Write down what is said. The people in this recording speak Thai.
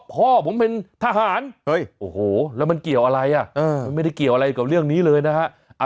พ่อผมเป็นทหารโอ้โหแล้วมันเกี่ยวอะไรอ่ะมันไม่ได้เกี่ยวอะไรกับเรื่องนี้เลยนะฮะ